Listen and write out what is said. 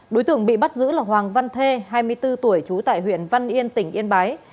đối tượng bị bắt giữ là hoàng văn thê hai mươi bốn tuổi trú tại huyện văn yên tỉnh yên bái